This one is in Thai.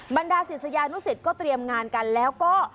บรรดาศิษยานุสิตก็เตรียมงานกันแล้วก็